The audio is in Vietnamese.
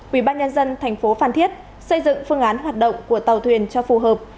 ubnd thành phố phan thiết xây dựng phương án hoạt động của tàu thuyền cho phù hợp